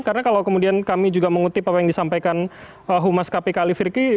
karena kalau kemudian kami juga mengutip apa yang disampaikan humas kpk alifirki